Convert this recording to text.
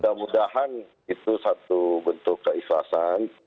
mudah mudahan itu satu bentuk keikhlasan